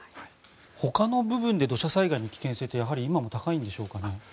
ほかの部分で土砂災害の危険性ってやはり今も高いんでしょうか？